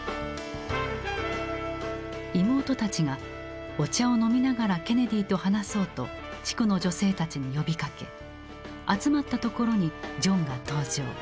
妹たちが「お茶を飲みながらケネディと話そう」と地区の女性たちに呼びかけ集まったところにジョンが登場。